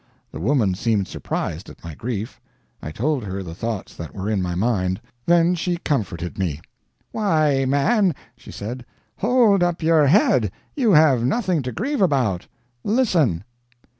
The woman seemed surprised at my grief. I told her the thoughts that were in my mind. Then she comforted me. "Why, man," she said, "hold up your head you have nothing to grieve about. Listen.